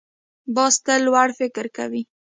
باز تل لوړ فکر کوي